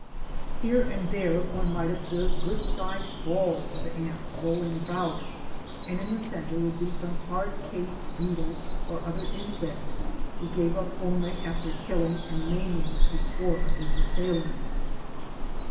Here and there one might observe good sized balls of ants rolling about, and in the centre would be some hard cased beetle or other insect, who gave up only after killing and maiming a score of his assailants.